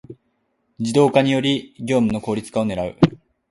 ⅱ 自動化により業務の効率化を狙う